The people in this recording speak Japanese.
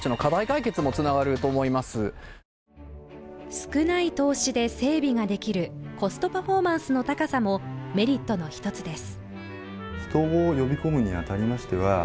少ない投資で整備ができるコストパフォーマンスの高さもメリットの１つです。